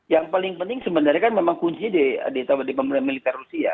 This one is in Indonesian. yang paling penting sebenarnya kan memang kunci di militer rusia